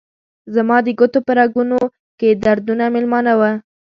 زما د ګوتو په رګونو کې دردونه میلمانه وه